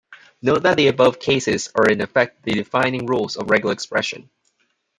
Note that the above cases are in effect the defining rules of regular expression.